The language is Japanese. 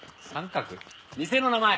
店の名前。